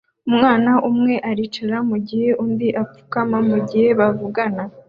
Umwana umwe aricara mugihe undi apfukama mugihe bavugana